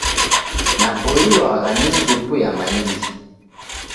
Naboilwagha ni supu ya maindi.